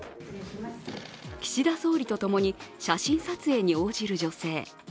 岸田総理とともに写真撮影に応じる女性。